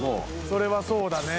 それはそうだね。